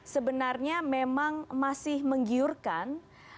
sebenarnya memang masih menggiurkan